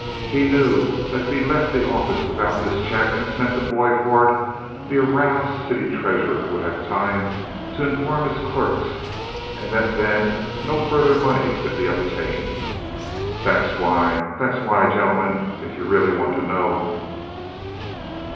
He knew that if he left the office without this check and sent a boy for it, the aroused city treasurer would have time to inform his clerks, and that then no further money could be obtained. That's why! That's why, gentlemen, if you really want to know.